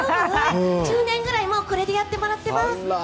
１０年ぐらい、もう、これでやってもらってまーす。